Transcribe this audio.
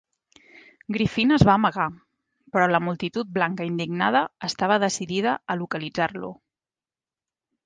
Griffin es va amagar, però la multitud blanca indignada estava decidida a localitzar-lo.